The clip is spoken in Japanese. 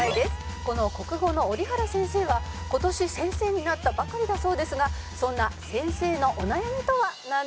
「この国語の折原先生は今年先生になったばかりだそうですがそんな先生のお悩みとはなんでしょうか？」